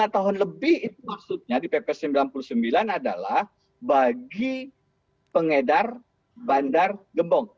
lima tahun lebih maksudnya di pp sembilan puluh sembilan adalah bagi pengedar bandar gembong